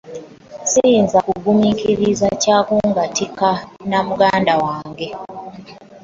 Siyinza kugumira kya kungattika na muganda wange.